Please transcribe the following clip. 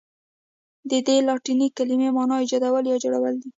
ددې لاتیني کلمې معنی ایجادول یا جوړول دي.